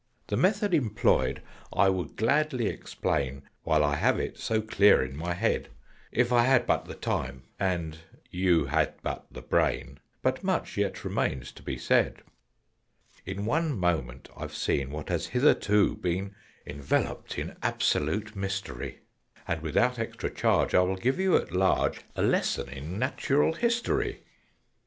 "The method employed I would gladly explain, While I have it so clear in my head, If I had but the time and you had but the brain But much yet remains to be said. [Illustration: "THE BEAVER BROUGHT PAPER, PORTFOLIO, PENS"] "In one moment I've seen what has hitherto been Enveloped in absolute mystery, And without extra charge I will give you at large A Lesson in Natural History."